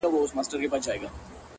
• کله کله هم شاعر بې موضوع وي ,